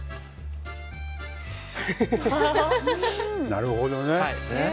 なるほどね！